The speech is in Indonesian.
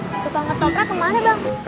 ketopra kemana bang